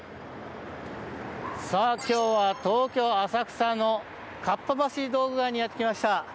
今日は東京・浅草のかっぱ橋道具街にやってきました。